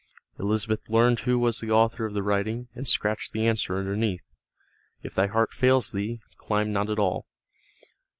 Elizabeth learned who was author of the writing, and scratched the answer underneath: "If thy heart fails thee, climb not at all."